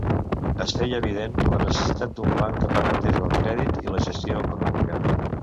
Es feia evident la necessitat d'un banc que permetés el crèdit i la gestió econòmica.